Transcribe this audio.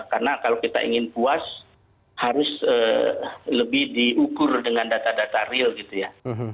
karena kalau kita ingin puas harus lebih diukur dengan data data real gitu ya